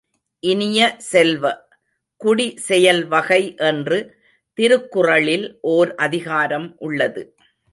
இனிய செல்வ, குடி செயல் வகை என்று திருக்குறளில் ஒர் அதிகாரம் உள்ளது.